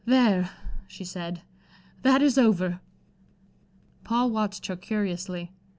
"There," she said, "that is over." Paul watched her curiously.